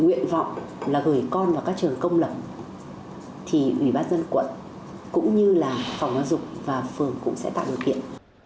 nguyện vọng là gửi con vào các trường công lập thì ủy ban dân quận cũng như là phòng giáo dục và phường cũng sẽ tạo điều kiện